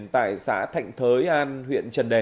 tại xã thạnh thới an huyện trần đề